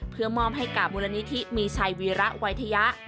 เพื่อมอบให้กับมูลนิธิมีชัยวีระวัยทยะ